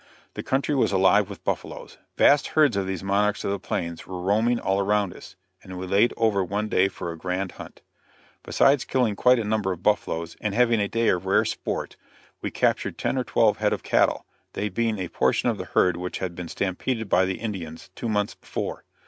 The country was alive with buffaloes. Vast herds of these monarchs of the plains were roaming all around us, and we laid over one day for a grand hunt. Besides killing quite a number of buffaloes, and having a day of rare sport, we captured ten or twelve head of cattle, they being a portion of the herd which had been stampeded by the Indians, two months before.